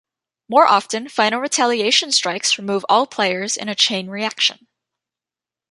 More often, final retaliation strikes remove all players in a chain reaction.